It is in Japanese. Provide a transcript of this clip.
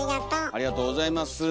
ありがとうございます。